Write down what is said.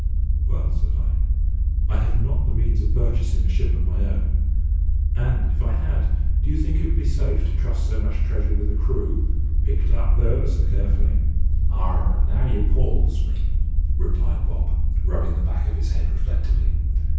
"Well," said I, "I have not the means of purchasing a ship of my own; and if I had, do you think it would be safe to trust so much treasure with a crew, picked up though ever so carefully?" "Ah! now you 'pawls me," replied Bob, rubbing the back of his head reflectively.